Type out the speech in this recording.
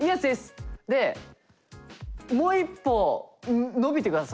でもう一歩伸びてください